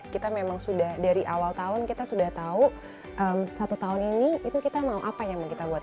kita memang sudah dari awal tahun kita sudah tahu satu tahun ini itu kita mau apa yang mau kita buat